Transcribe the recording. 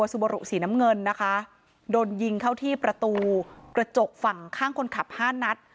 ซูโบรุสีน้ำเงินนะคะโดนยิงเข้าที่ประตูกระจกฝั่งข้างคนขับห้านัด